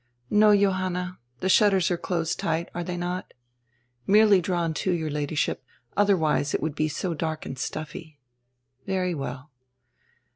"No, Johanna. The shutters are closed tight, are they not?" "Merely drawn to, your Ladyship. Otherwise it would be so dark and stuffy." "Very well."